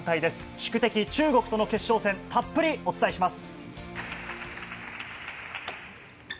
宿敵、中国との決勝戦たっぷりお伝えします。